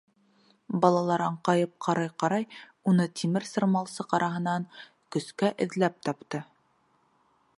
Балалар, аңҡайып ҡарай-ҡарай, уны тимер сырмалсыҡ араһынан көскә эҙләп тапты.